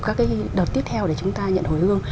các cái đợt tiếp theo để chúng ta nhận hồi hương